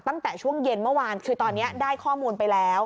ตั้งแต่ช่วงเย็นเมื่อวานคือตอนนี้ได้ข้อมูลไปแล้ว